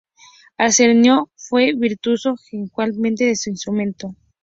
Arsenio fue un virtuoso ejecutante de su instrumento.